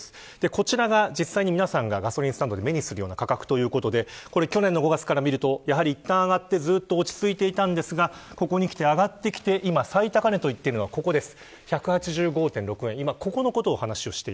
こちらが実際に、皆さんがガソリンスタンドで目にする価格ということで去年の５月から見るといったん上がってずっと落ち着いていたんですがここにきて上がってきて今、最高値はここです。